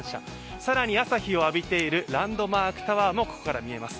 更に朝日を浴びているランドマークタワーもここからは見えます。